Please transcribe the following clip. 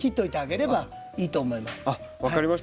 あっ分かりました。